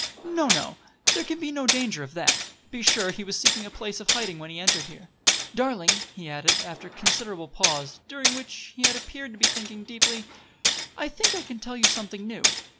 "No, no; there can be no danger of that. Be sure, he was seeking a place of hiding when he entered here. Darling!" he added, after a considerable pause, during which he had appeared to be thinking deeply, "I think I can tell you something new.